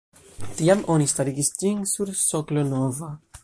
Tiam oni starigis ĝin sur soklo nova.